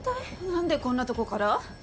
なんでこんなとこから？